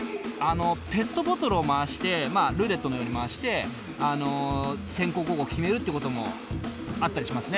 ペットボトルを回してまあルーレットのように回して先攻後攻決めるってこともあったりしますね